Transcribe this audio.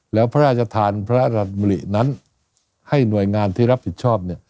แล้วพระราชทานพระราชบุรีนั้นให้หน่วยงานที่รับผิดชอบ